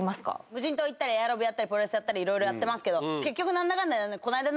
無人島行ったりエアロビやったりプロレスやったりいろいろやってますけど結局なんだかんだ